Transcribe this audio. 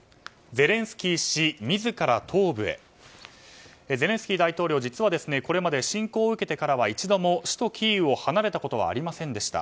ゼレンスキー大統領実は、これまで侵攻を受けてから一度も首都キーウを離れたことがありませんでした。